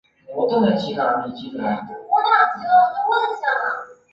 厦门大学刘海峰则认为博饼从北方流行过的状元筹演化而来。